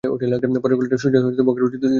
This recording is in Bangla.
পরের গুলিটা সোজা তোমাকে করব, যদি তুমি চুপ না হও।